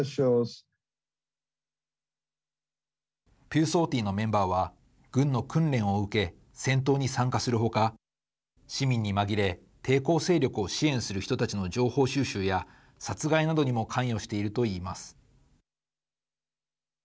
ピューソーティーのメンバーは軍の訓練を受け戦闘に参加するほか市民に紛れ、抵抗勢力を支援する人たちの情報収集や殺害などにも関与しているといいます。